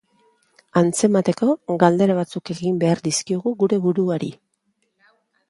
Antzemateko, galdera batzuk egin behar dizkiogu gure buruari.